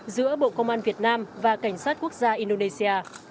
giữa bộ công an việt nam và cảnh sát quốc gia indonesia